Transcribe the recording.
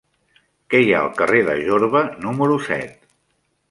Què hi ha al carrer de Jorba número set?